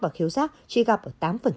và khiếu giác tri gặp ở tám